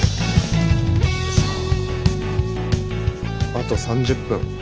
あと３０分。